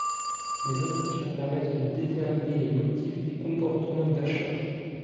Les entretiens permettent de déterminer les motifs des comportements d’achats.